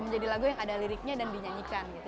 menjadi lagu yang ada liriknya dan dinyanyikan gitu